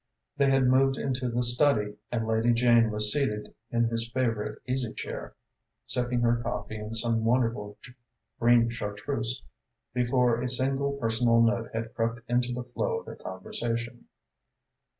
They had moved into the study and Lady Jane was sealed in his favourite easy chair, sipping her coffee and some wonderful green chartreuse, before a single personal note had crept into the flow of their conversation.